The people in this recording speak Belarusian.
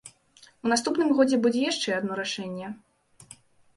У наступным годзе будзе яшчэ адно рашэнне.